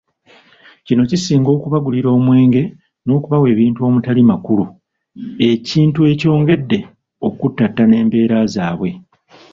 Kino kisinga okubagulira omwenge n'okubawa ebintu omutali makulu, ekintu ekyongedde okuttattana embeera zaabwe.